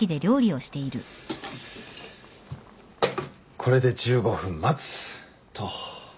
これで１５分待つと。